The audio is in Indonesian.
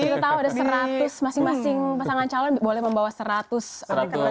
kita tahu ada seratus masing masing pasangan calon boleh membawa seratus rekening